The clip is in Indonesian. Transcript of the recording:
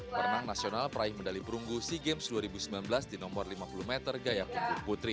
perenang nasional peraih medali perunggu sea games dua ribu sembilan belas di nomor lima puluh meter gaya punggung putri